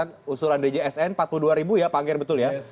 dan dari kementerian keuangan juga sama rp empat puluh dua ya pak angger betul ya